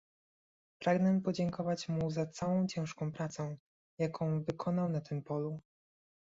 Pragnę podziękować mu za całą ciężką pracę, jaką wykonał na tym polu